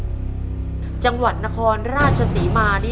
คุณยายแจ้วเลือกตอบจังหวัดนครราชสีมานะครับ